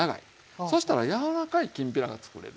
そしたら柔らかいきんぴらがつくれる。